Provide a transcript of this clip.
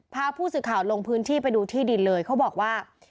พาผู้สื่อข่าวลงพื้นที่ไปดูที่ดินเลยเขาบอกว่า